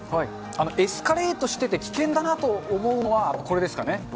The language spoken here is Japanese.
エスカレートしてて危険だなと思うものは、これですかね。